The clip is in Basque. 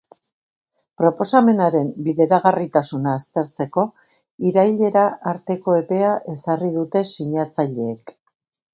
Proposamenaren bideragarritasuna aztertzeko irailera arteko epea ezarri dute sinatzaileek.